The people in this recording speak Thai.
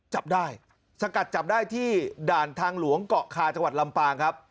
จับได้สกัดจับได้ที่ด่านทางหลวงเกาะคาจังหวัดลำปางครับ